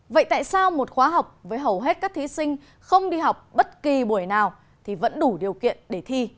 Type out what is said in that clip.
vậy tại sao một khóa học với hầu hết các thí sinh không đi học bất kỳ buổi nào thì vẫn đủ điều kiện để thi